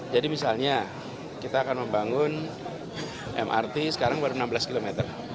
jadi misalnya kita akan membangun mrt sekarang baru enam belas km